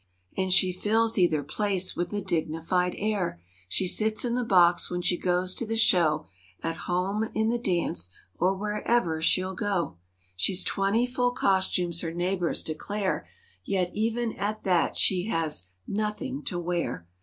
And she fills either place with a dignified air. She sits in the box when she goes to the show— At home in the dance or where ever she'll go. l8 She's twenty full costumes her neighbors declare, Yet, even at that she has, "Nothing to wear."